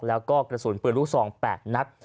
แล้วก็กระสุนปืนลูกซอง๘นัด